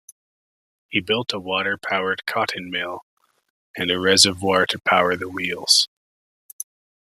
He built a water-powered cotton mill, and a reservoir to power the wheels.